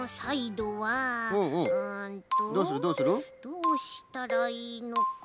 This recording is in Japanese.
どうしたらいいのか。